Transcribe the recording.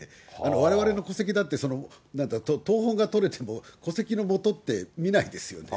われわれの戸籍だって、その謄本が取れても、戸籍の元って見ないですよね。